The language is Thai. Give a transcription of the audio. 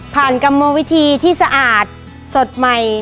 ผ่านกับวิธีที่สะอาดสดใหม่